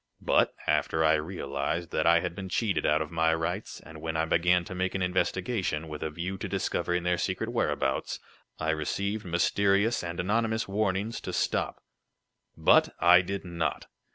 But, after I realized that I had been cheated out of my rights, and when I began to make an investigation, with a view to discovering their secret whereabouts, I received mysterious and anonymous warnings to stop." "But I did not.